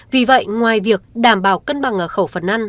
vì vậy ngoài việc đảm bảo cân bằng khẩu phần ăn